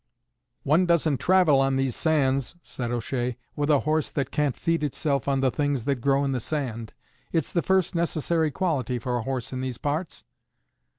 "One doesn't travel on these sands," said O'Shea, "with a horse that can't feed itself on the things that grow in the sand. It's the first necessary quality for a horse in these parts."